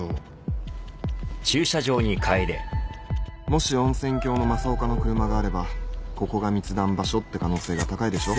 もし温泉郷の政岡の車があればここが密談場所って可能性が高いでしょ